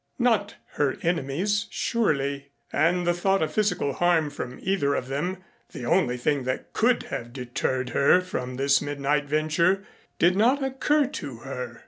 Not her enemies surely; and the thought of physical harm from either of them, the only thing that could have deterred her from this midnight venture, did not occur to her.